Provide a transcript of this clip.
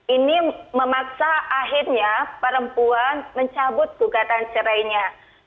ini memaksa akhirnya perempuan mencabut gugatan cerainya